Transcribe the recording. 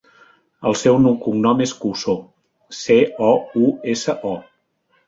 El seu cognom és Couso: ce, o, u, essa, o.